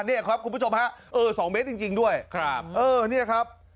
เนี่ยครับคุณผู้ชมฮะเออสองเมตรจริงจริงด้วยครับเออเนี่ยครับ